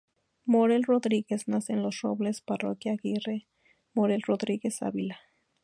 Morel Rodríguez nace en Los Robles, Parroquia Aguirre, Morel Rodríguez Ávila.